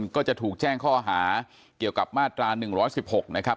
ก็จะถูกแจ้งข้อหาเกี่ยวกับมาตรา๑๑๖นะครับ